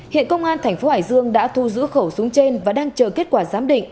hiện công an tp hcm đã thu giữ khẩu súng trên và đang chờ kết quả giám định